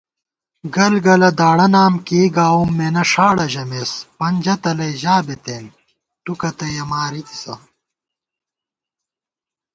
گل گلہ داڑہ نام کېئی گاؤم مېنہ ݭاڑہ ژَمېس * پنجہ تلَئ ژا بِتېن تُو کتّیَہ مارِتِسہ